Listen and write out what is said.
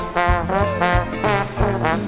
สวัสดีครับ